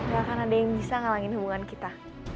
gak akan ada yang bisa ngalangin hubungan kita